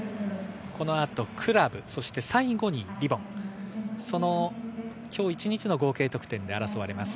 この後クラブ、最後にリボン、その今日１日の合計得点で争われます。